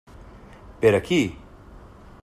Per a qui?